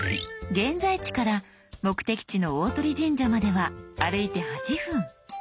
「現在地」から目的地の「大鳥神社」までは歩いて８分。